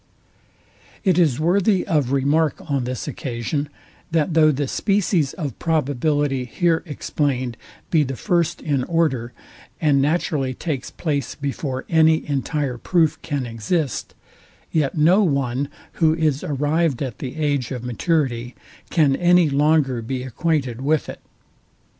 It is worthy of remark on this occasion, that though the species of probability here explained be the first in order, and naturally takes place before any entire proof can exist, yet no one, who is arrived at the age of maturity, can any longer be acquainted with it.